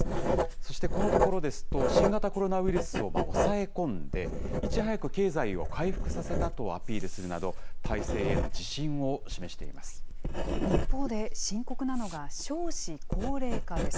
そしてこのところですと、新型コロナウイルスを抑え込んで、いち早く経済を回復させたとアピールするなど、一方で、深刻なのが少子高齢化です。